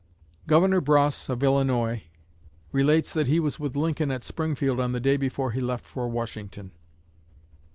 Governor Bross, of Illinois, relates that he was with Lincoln at Springfield on the day before he left for Washington.